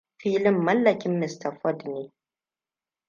Filin mallakin Mr Ford ne.